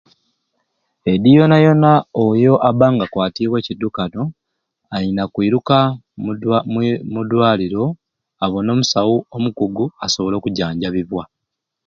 Edi yeena yeena oyo abba nga akwatiibwe e kidukano alina kwiruka mudwa mwiru muddwaliro abone omusawu omukugu asobole okujanjabibwa.